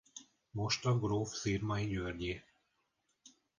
Most a gróf Szirmay Györgyé.